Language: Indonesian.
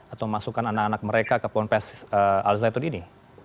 atau memasukkan anak anak mereka ke ponpes al zaitun ini